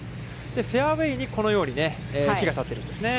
フェアウェイに、このように木が立っているんですね。